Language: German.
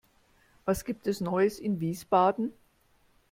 Was gibt es Neues in Wiesbaden?